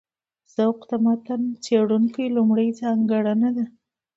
ذوق د متن څېړونکي لومړۍ ځانګړنه ده.